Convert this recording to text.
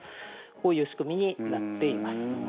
こういう仕組みになっています。